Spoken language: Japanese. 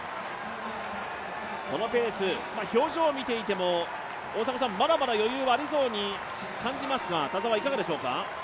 このペース、表情を見ていても、まだまだ余裕はありそうに感じますが、田澤、いかがですか？